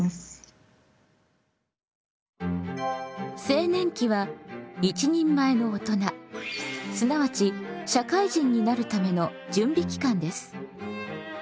青年期は一人前の大人すなわち社会人になるための準備期間です。